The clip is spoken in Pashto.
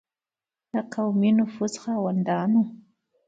د قومي نفوذ خاوندانو.